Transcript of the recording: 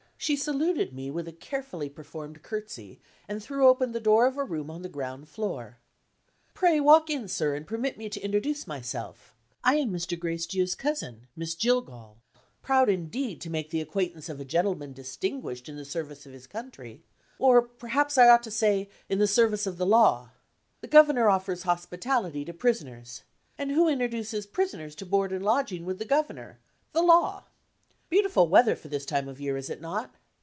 She saluted me with a carefully performed curtsey, and threw open the door of a room on the ground floor. "Pray walk in, sir, and permit me to introduce myself. I am Mr. Gracedieu's cousin Miss Jillgall. Proud indeed to make the acquaintance of a gentleman distinguished in the service of his country or perhaps I ought to say, in the service of the Law. The Governor offers hospitality to prisoners. And who introduces prisoners to board and lodging with the Governor? the Law. Beautiful weather for the time of year, is it not?